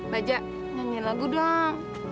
baja nyanyiin lagu dong